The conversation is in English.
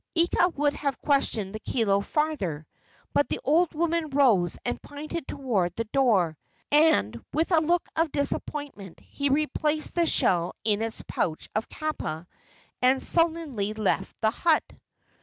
Ika would have questioned the kilo farther, but the old woman rose and pointed toward the door, and with a look of disappointment he replaced the shell in its pouch of kapa and sullenly left the hut.